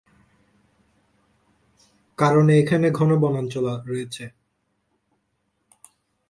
কারণে এখানে ঘন বনাঞ্চল রয়েছে।